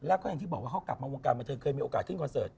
แล้วก็อย่างที่บอกว่าเขากลับมาวงการบันเทิงเคยมีโอกาสขึ้นคอนเสิร์ต